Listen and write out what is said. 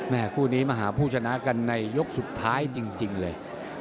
คู่นี้มาหาผู้ชนะกันในยกสุดท้ายจริงเลย